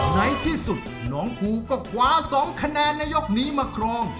ในที่สุดน้องภูก็คว้า๒คะแนนในยกนี้มาครอง